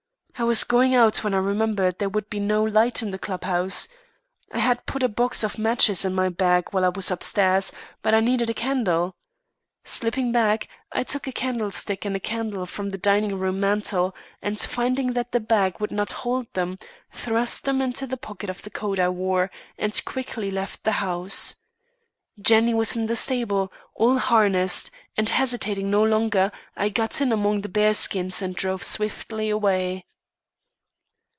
I was going out, when I remembered there would be no light in the club house. I had put a box of matches in my bag while I was upstairs, but I needed a candle. Slipping back, I took a candlestick and candle from the dining room mantel, and finding that the bag would not hold them, thrust them into the pocket of the coat I wore, and quickly left the house. Jenny was in the stable, all harnessed; and hesitating no longer, I got in among the bear skins and drove swiftly away."